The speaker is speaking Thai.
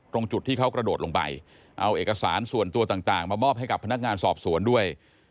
ตรงจุดที่เขากระโดดลงไปเอาเอกสารส่วนตัวต่างมามอบให้กับพนักงานสอบสวนด้วย